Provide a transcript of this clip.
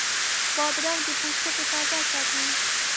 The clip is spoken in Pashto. بادرنګ د پوستکي تازه ساتي.